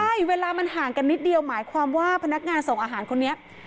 ใช่เวลามันห่างกันนิดเดียวหมายความว่าพนักงานส่งอาหารคนนี้